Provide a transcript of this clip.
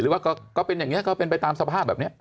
ก็เป็นอย่างนี้ก็เป็นไปตามสภาพแบบนี้